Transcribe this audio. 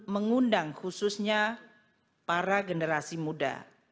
mengundang khususnya para generasi muda